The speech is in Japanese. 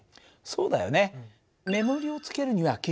そうだよね。